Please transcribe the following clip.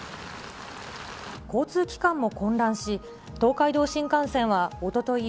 交通機関も混乱し、東海道新幹線はおととい